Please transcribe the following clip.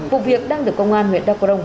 vụ việc đang được công an huyện đắk cổ rông